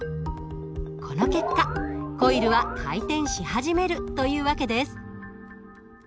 この結果コイルは回転し始めるという訳です。